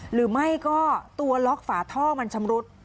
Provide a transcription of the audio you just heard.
หรือไม่ก็ตัวล็อกฝาท่อมันชำรุด